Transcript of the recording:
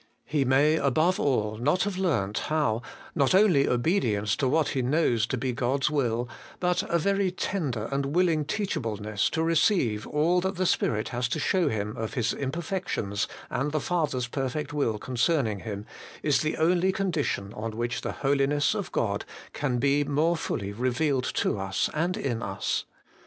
He may, above all, not have learnt how, not only obedience to what he knows to be God's will, but a very tender and willing teachableness to receive all that the Spirit has to show him of his imperfections and the Father's perfect will concern ing him, is the only condition on which the Holi ness of God can be more fully revealed to us and in us.